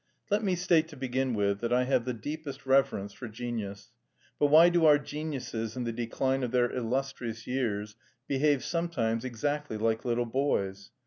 Let me state to begin with that I have the deepest reverence for genius, but why do our geniuses in the decline of their illustrious years behave sometimes exactly like little boys?